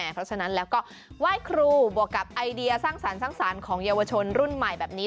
เพราะฉะนั้นแล้วก็ไหว้ครูบวกกับไอเดียสร้างสรรคสร้างสรรค์ของเยาวชนรุ่นใหม่แบบนี้